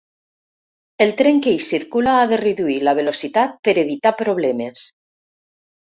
El tren que hi circula ha de reduir la velocitat per evitar problemes.